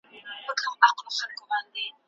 د اسلام په احکامو کي د انسان نجات دی.